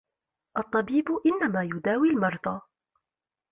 الطَّبِيبُ إنَّمَا يُدَاوِي الْمَرْضَى